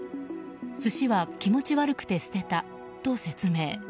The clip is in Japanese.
寿司は気持ち悪くて捨てたと説明。